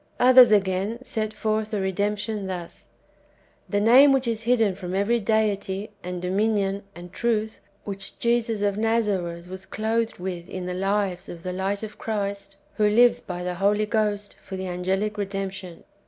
Others, again, set forth the redemption thus : The name which is hidden from every deity, and dominion, and truth, which Jesus of Nazareth w^as clothed with in the lives" of the light of Christ — of Christ, who lives by the Holy Ghost, for the angelic redemption.